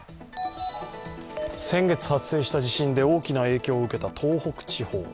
先月発生した地震で大きな影響を受けた東北地方。